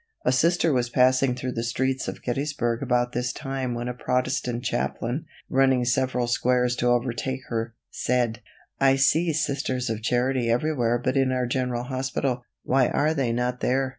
A Sister was passing through the streets of Gettysburg about this time when a Protestant chaplain, running several squares to overtake her, said: "I see Sisters of Charity everywhere but in our general hospital. Why are they not there?"